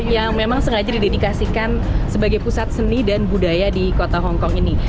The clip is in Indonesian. yang memang sengaja didedikasikan sebagai pusat seni dan budaya di kota hongkong ini